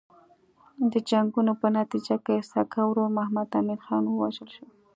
د جنګونو په نتیجه کې سکه ورور محمد امین خان ووژل شو.